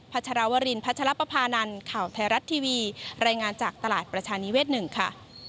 ชรวรินพัชรปภานันข่าวไทยรัฐทีวีรายงานจากตลาดประชานิเวศ๑ค่ะ